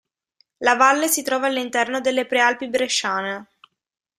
La valle si trova all'interno delle Prealpi Bresciane.